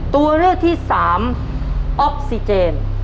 ตัวเลือกที่สามออกซิเจน